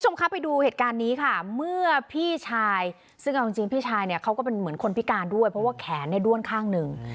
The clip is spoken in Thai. คุณผู้ชมครับไปดูเหตุการณ์นี้ค่ะเมื่อพี่ชายซึ่งเอาจริงพี่ชายเนี่ยเขาก็เป็นเหมือนคนพิการด้วยเพราะว่าแขนเนี่ยด้วนข้างหนึ่ง